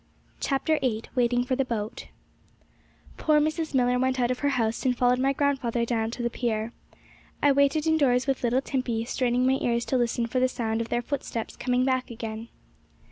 CHAPTER VIII. WAITING FOR THE BOAT. Poor Mrs. Millar went out of her house, and followed my grandfather down to the pier. I waited indoors with little Timpey, straining my ears to listen for the sound of their footsteps coming back again.